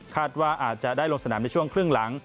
ว่าอาจจะได้ลงสนามในช่วงครึ่งหลัง